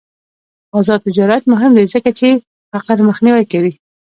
آزاد تجارت مهم دی ځکه چې فقر مخنیوی کوي.